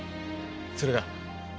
それが？